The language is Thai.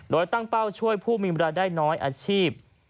โดยตั้งเป้าช่วยผู้มีเวลาได้น้อยอาชีพ